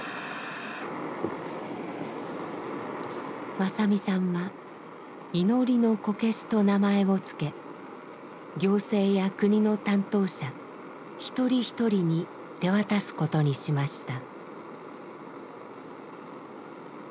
正実さんは「祈りのこけし」と名前を付け行政や国の担当者一人一人に手渡すことにしました。